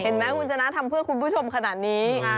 เห็นไหมคุณชนะทำเพื่อคุณผู้ชมขนาดนี้